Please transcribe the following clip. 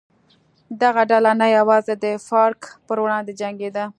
دغه ډله نه یوازې د فارک پر وړاندې جنګېده.